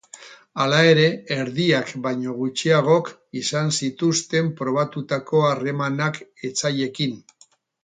Hala ere, erdiak baino gutxiagok izan zituzten probatutako harremanak etsaiekin.